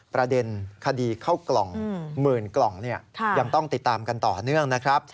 ประเด็นคดีเข้ากล่องหมื่นกล่องยังต้องติดตามกันต่อเนื่องนะครับ